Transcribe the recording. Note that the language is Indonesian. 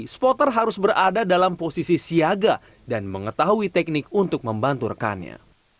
spotter harus berada dalam posisi siaga dan mengetahui teknik untuk membantu rekannya